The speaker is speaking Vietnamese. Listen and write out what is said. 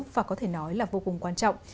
và có thể nói là vô cùng quan trọng